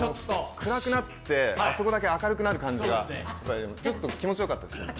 暗くなって、あそこだけ明るくなる感じが、ちょっと気持ちよかったです。